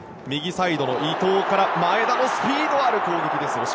右サイドの伊東から前田のスピードある攻撃です。